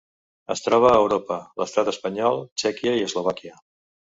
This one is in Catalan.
Es troba a Europa: l'Estat espanyol, Txèquia i Eslovàquia.